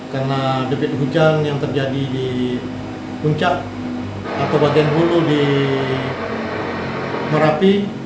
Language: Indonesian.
karena debit hujan yang terjadi di puncak atau bagian hulu di merapi